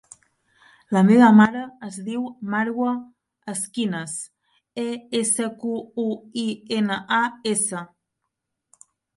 La meva mare es diu Marwa Esquinas: e, essa, cu, u, i, ena, a, essa.